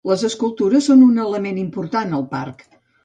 Les escultures són un element important al parc.